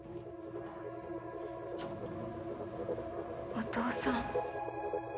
お父さん。